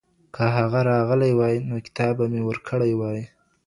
که هغه راغلی وای نو کتاب به مي ورکړی وای.